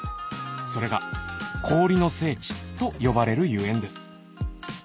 それが氷の聖地と呼ばれるゆえんです